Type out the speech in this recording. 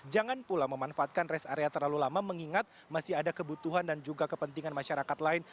jangan pula memanfaatkan rest area terlalu lama mengingat masih ada kebutuhan dan juga kepentingan masyarakat lain